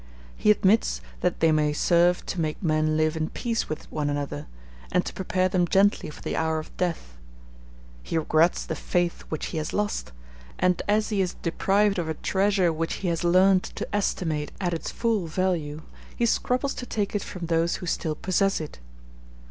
He admits that they may serve to make men live in peace with one another, and to prepare them gently for the hour of death. He regrets the faith which he has lost; and as he is deprived of a treasure which he has learned to estimate at its full value, he scruples to take it from those who still possess it.